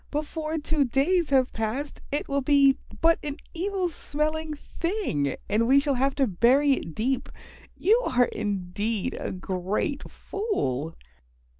Before two days have passed it will be but an evil smelling thing and we shall have to bury it deep. You are indeed a great fool."